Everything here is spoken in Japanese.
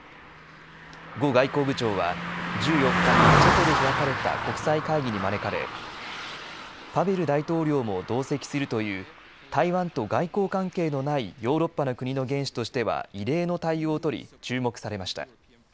呉外交部長は１４日にチェコで開かれた国際会議に招かれパベル大統領も同席するという台湾と外交関係のないヨーロッパの国の元首としては異例の対応をとり注目されました。